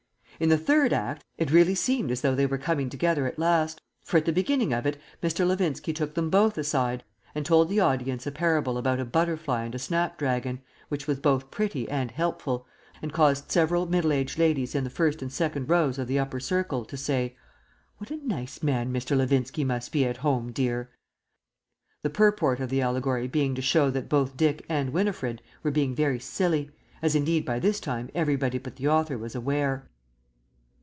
In the Third Act it really seemed as though they were coming together at last; for at the beginning of it Mr. Levinski took them both aside and told the audience a parable about a butterfly and a snap dragon, which was both pretty and helpful, and caused several middle aged ladies in the first and second rows of the upper circle to say, "What a nice man Mr. Levinski must be at home, dear!" the purport of the allegory being to show that both Dick and Winifred were being very silly, as indeed by this time everybody but the author was aware.